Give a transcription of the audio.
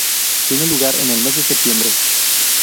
Tiene lugar en el mes de septiembre.